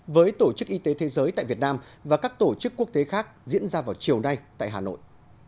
với tổ chức y tế thế giới tại việt nam và các tổ chức quốc tế khác diễn ra vào chiều nay tại hà nội